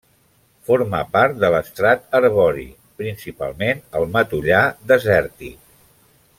Forma part de l'estrat arbori, principalment al matollar desèrtic.